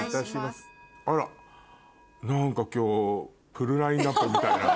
あら何か今日フルラインアップみたいな。